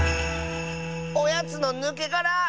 「おやつのぬけがら」！